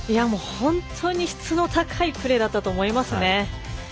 本当に質の高いプレーだったと思いますね。